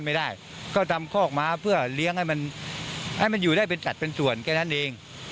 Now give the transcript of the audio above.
ไม่ได้ก็ทำคอกม้าเพื่อเลี้ยงให้มันให้มันอยู่ได้เป็นสัตว์เป็นส่วนแค่นั้นเอง